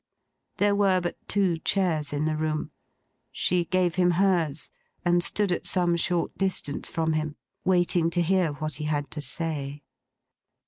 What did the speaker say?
There were but two chairs in the room. She gave him hers, and stood at some short distance from him, waiting to hear what he had to say.